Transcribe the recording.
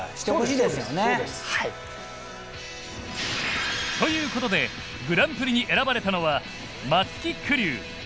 そうですそうです。ということでグランプリに選ばれたのは松木玖生。